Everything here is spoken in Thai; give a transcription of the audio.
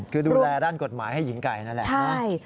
คือดูแลด้านกฎหมายให้หญิงไก่นั่นแหละนะ